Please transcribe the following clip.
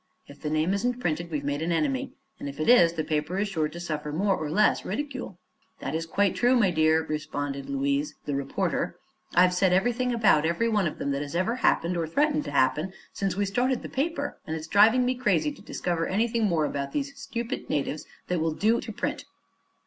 If the name isn't printed, we've made an enemy; and, if it is, the paper is sure to suffer more or less ridicule." "That is quite true, my dear," responded Louise, the reporter. "I've said everything, about every one of them, that has ever happened, or threatened to happen, since we started the paper, and it is driving me crazy to discover anything more about these stupid natives that will do to print."